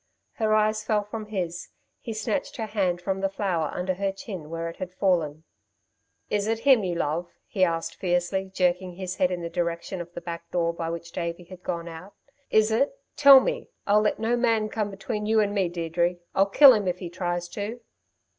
Her eyes fell from his. He snatched her hand from the flower under her chin where it had fallen. "Is it him you love?" he asked fiercely, jerking his head in the direction of the back door by which Davey had gone out. "Is it? Tell me. I'll let no man come between you and me, Deirdre. I'll kill him if he tries to."